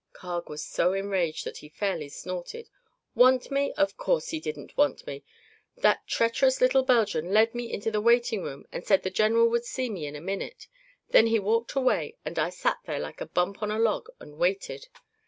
Carg was so enraged that he fairly snorted. "Want me? Of course he didn't want me! That treacherous little Belgian led me into the waiting room and said the general would see me in a minute. Then he walked away and I sat there like a bump on a log and waited.